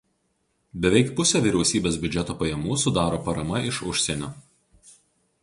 Beveik pusę vyriausybės biudžeto pajamų sudaro parama iš užsienio.